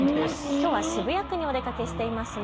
きょうは渋谷区にお出かけしていますね。